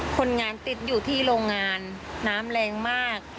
คนงานติดอยู่ที่โรงงานน้ำแรงมาก